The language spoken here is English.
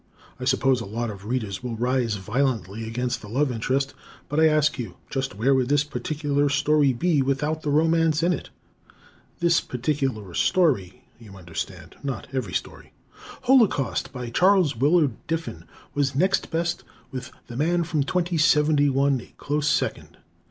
I suppose a lot of Readers will rise violently against the love interest, but, I ask you, just where would this particular story be without the romance in it? This particular story, you understand; not every story. "Holocaust," by Charles Willard Diffin, was next best with "The Man from 2071" a close second.